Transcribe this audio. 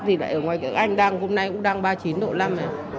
thì lại ở ngoài kia anh đang hôm nay cũng đang ba mươi chín độ năm này